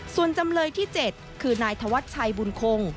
ส่วนจำเลยที่๗คือนายธวัชชัยบุญคง